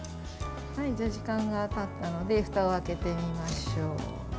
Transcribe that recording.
時間がたったのでふたを開けてみましょう。